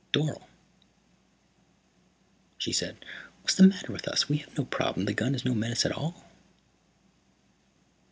"Dorle," she said. "What's the matter with us? We have no problem. The gun is no menace at all."